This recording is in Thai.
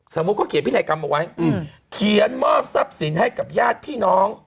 สมมุติเขาเขียนพินัยกรรมเอาไว้เขียนมอบทรัพย์สินให้กับญาติพี่น้อง